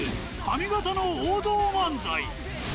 上方の王道漫才！